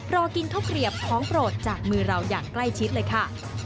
รอกินข้าวเกลียบของโปรดจากมือเราอย่างใกล้ชิดเลยค่ะ